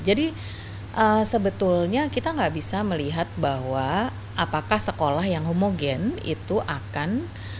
jadi sebetulnya kita enggak bisa melihat bahwa apakah sekolah yang homogen itu akan